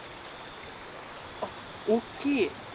あっ大きい。